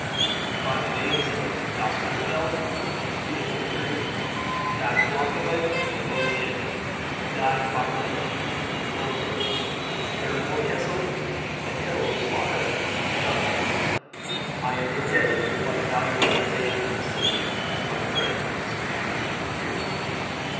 We find the names 'das Winnefeld' (the field of victory), 'die Knochenbahn' (the bone lane), 'die Knochenleke' (the bone brook), 'der Mordkessel' (the kettle of slaughter), and others." [I am indebted for much valuable information on this subject to my friend Mr. Henry Pearson.